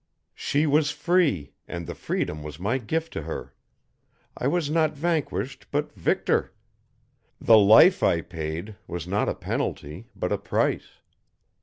She was free, and the freedom was my gift to her. I was not vanquished, but victor. The life I paid was not a penalty, but a price.